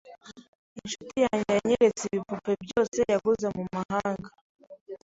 Inshuti yanjye yanyeretse ibipupe byose yaguze mumahanga.